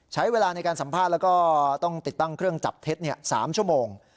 ใช้เวลาในการสัมภาษณ์แล้วก็ต้องติดตั้งเครื่องจับเท็จ๓ชั่วโมง